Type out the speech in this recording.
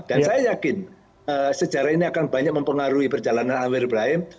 dan saya yakin sejarah ini akan banyak mempengaruhi perjalanan amir ibrahim